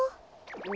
お？